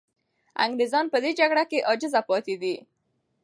انګریزان په دې جګړه کې عاجز پاتې دي.